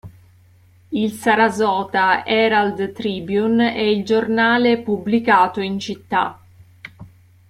Il Sarasota Herald-Tribune è il giornale pubblicato in città.